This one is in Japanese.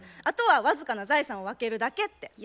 あとは僅かな財産を分けるだけって。